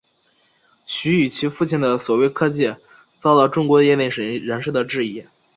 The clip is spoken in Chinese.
徐与其父亲的所谓科技遭到众多业内人士的质疑。